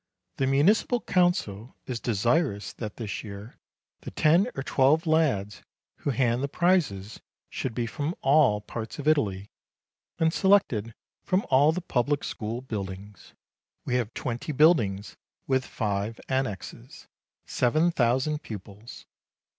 The municipal council is desirous that this year the ten or twelve lads who hand the prizes should be from all parts of Italy, and selected from all the public school buildings. We have twenty buildings, with five annexes seven thousand pupils.